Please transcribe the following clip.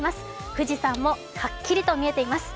富士山もはっきりと見えています。